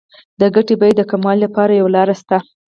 د ګټې د بیې د کموالي لپاره یوه لار شته